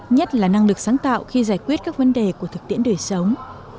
nhất là năng lực sáng tạo khi giải quyết các vấn đề của thực tiễn đời sống